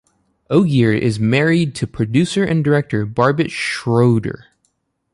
Ogier is married to producer and director Barbet Schroeder.